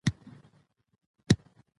د هېواد په منظره کې ښارونه ښکاره دي.